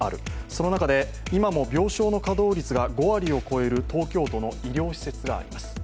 その中で今も病床の稼働率が５割を超える東京都の医療施設があります。